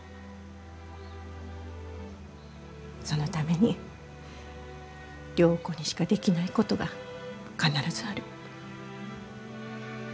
そのために良子にしかできないことが必ずある。